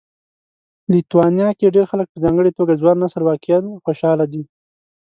لیتوانیا کې ډېر خلک په ځانګړي توګه ځوان نسل واقعا خوشاله دي